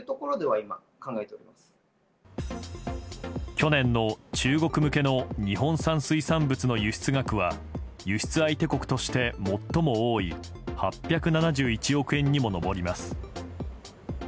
去年の中国向けの日本産水産物の輸出額は輸出相手国として最も多い８７１億円にも上ります。